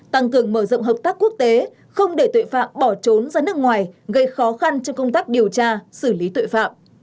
tăng cường mở rộng hợp tác quốc tế không để tuệ phạm bỏ trốn ra nước ngoài gây khó khăn trong công tác điều tra xử lý tuệ phạm